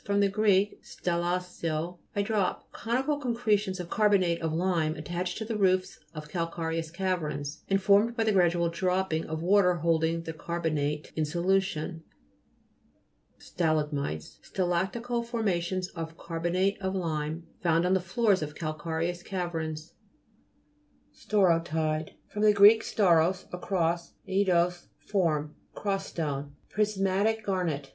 STALA'CTITES fr. gr. stalasso, I drop. Conical concretions of carbonate of lime attached to the roofs of calca rious caverns, and formed by the gradual dropping of water holding the carbonate in solution. STALA'GMITES Stalactical forma tions of carbonate of lime, found on the floors of calcareous caverns. STAU'HOTIDE fr. gr. stauros, a cross, eidos, form. Cross stone. Pris GLOSSARY. GEOLOGY. 233 matic garnet.